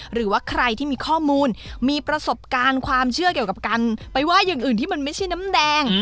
หรือว่าใครที่มีข้อมูลมีประสบการณ์ความเชื่อเกี่ยวกับการไปไหว้อย่างอื่นที่มันไม่ใช่น้ำแดง